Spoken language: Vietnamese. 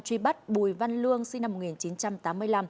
truy bắt bùi văn luông sinh năm hai nghìn một mươi chín